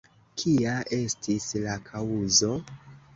Kia estis la kaŭzo?